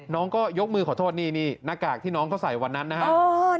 น้องก็ยกมือขอโทษนี่นี่หน้ากากที่น้องเขาใส่วันนั้นนะครับ